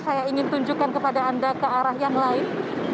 saya ingin tunjukkan kepada anda ke arah yang lain